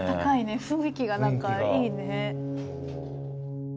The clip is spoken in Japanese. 雰囲気が何かいいね。